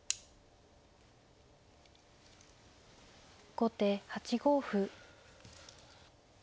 後手８五歩。